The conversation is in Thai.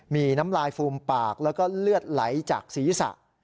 มีน้ำลายฟูมปากแล้วก็เลือดไหลจากศีรษะ